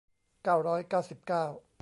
เก้าร้อยเก้าสิบเก้า